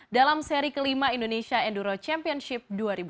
dalam seri kelima indonesia enduro championship dua ribu dua puluh